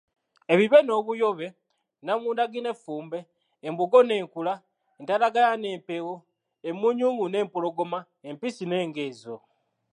"Ebibe n’obuyobe, namundagi n’effumbe, embogo n’enkula, entalaganya n’empeewo, emmunyungu n’empologoma, empisi n’engo ezo."